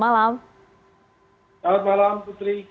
selamat malam putri